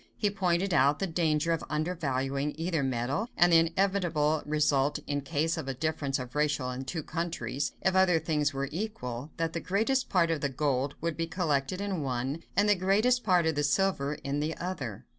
He pointed out the danger of undervaluing either metal, and the inevitable result, in case of a difference of ratio in two countries, "if other things were equal, that the greatest part of the gold would be collected in one, and the greatest part of the silver in the other."